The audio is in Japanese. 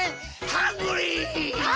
ハングリー！